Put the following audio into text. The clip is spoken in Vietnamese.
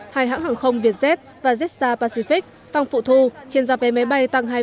hai hãng hàng không việt jet và jetstar pacific tăng phụ thu khiến giá vé máy bay tăng hai năm mươi chín